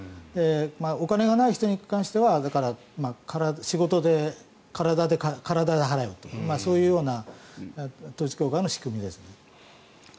お金がない人に関しては仕事で、体で払えというそういうような統一教会の仕組みですね。